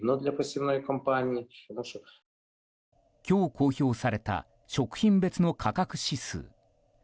今日、公表された食品別の価格指数。